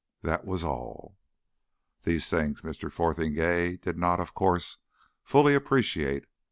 That was all. These things Mr. Fotheringay did not, of course, fully appreciate.